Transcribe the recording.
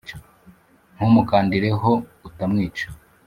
ntumukandire ho utamwica.